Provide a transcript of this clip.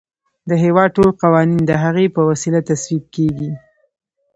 د هیواد ټول قوانین د هغې په وسیله تصویب کیږي.